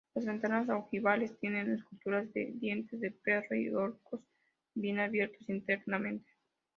Las ventanas ojivales tienen esculturas de dientes de perro y arcos bien abiertos internamente.